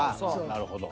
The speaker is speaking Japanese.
なるほど。